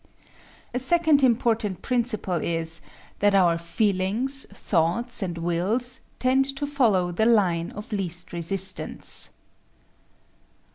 A second important principle is that our feelings, thoughts and wills tend to follow the line of least resistance.